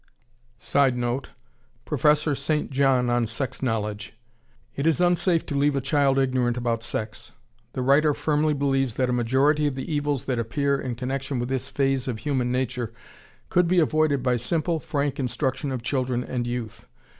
[Sidenote: Prof. St. John on sex knowledge.] It is unsafe to leave a child ignorant about sex. The writer firmly believes that a majority of the evils that appear in connection with this phase of human nature could be avoided by simple, frank instruction of children and youth.